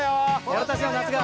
俺たちの夏が！